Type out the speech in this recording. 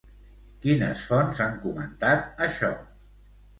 Quines fonts han comentat això?